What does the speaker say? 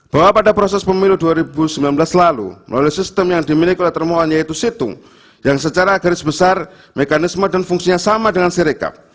bahwa pada proses pemilu dua ribu sembilan belas lalu melalui sistem yang dimiliki oleh termohon yaitu situng yang secara garis besar mekanisme dan fungsinya sama dengan sirekap